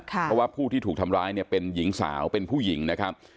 เพราะว่าผู้ที่ถูกทำร้ายเนี่ยเป็นหญิงสาวเป็นผู้หญิงนะครับ